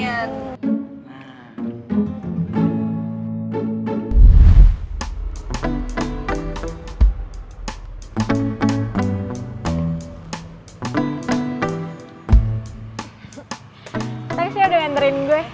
thanks ya udah nganterin gue